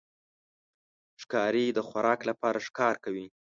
ښکاري د خوراک لپاره ښکار کوي.